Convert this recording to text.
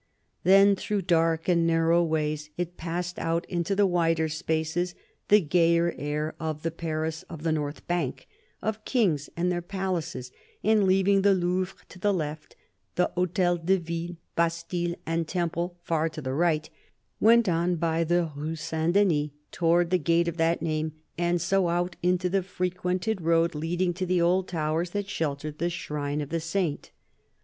Then through dark and narrow ways it passed out into the wider spaces, the gayer air, of the Paris of the north bank, of kings and their palaces, and leaving the Louvre to the left, the Hotel de Ville, Bastille, and Temple far to the right, went on by the Rue St. Denis towards the gate of that name, and so out into the frequented road leading to the old towers that sheltered the shrine of the Saint.